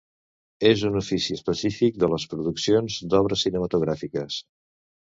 És un ofici específic de les produccions d'obres cinematogràfiques.